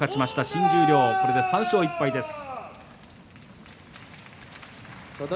新十両、ここまで３勝１敗です。